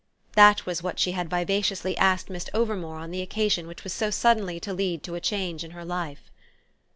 that was what she had vivaciously asked Miss Overmore on the occasion which was so suddenly to lead to a change in her life.